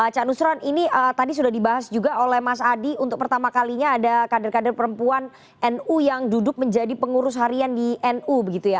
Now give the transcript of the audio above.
cak nusron ini tadi sudah dibahas juga oleh mas adi untuk pertama kalinya ada kader kader perempuan nu yang duduk menjadi pengurus harian di nu begitu ya